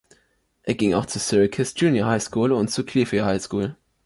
Er ging auch zur Syracuse Junior High School und zur Clearfield High School.